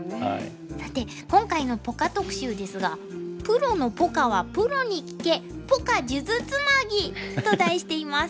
さて今回のポカ特集ですが「プロのポカはプロに聞け！ポカ数珠つなぎ」と題しています。